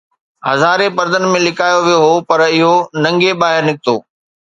ھزارين پردن ۾ لڪايو ويو ھو، پر اُھو ننگي ٻاھر نڪتو